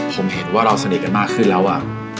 ผมเห็นว่าเราสนิทกันมากขึ้นแล้ว